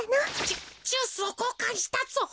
ジュースをこうかんしたぞ。